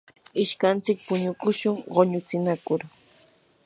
ishkantsik punukushun quñutsinakur.